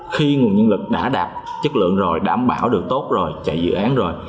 khi nguồn nhân lực đã đạt chất lượng rồi đảm bảo được tốt rồi chạy dự án rồi